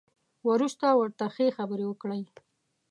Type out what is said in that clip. وروسته ورته ښې خبرې وکړئ.